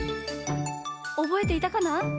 おぼえていたかな？